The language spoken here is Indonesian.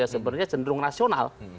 sebenarnya cenderung rasional